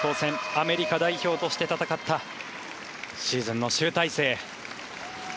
アメリカ代表として戦ったシーズンの集大成。